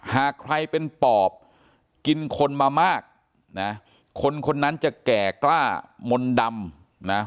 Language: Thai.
หากใครเป็นปอบกินคนมามากนะคนคนนั้นจะแก่กล้ามนต์ดำนะ